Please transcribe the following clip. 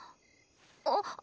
あっ。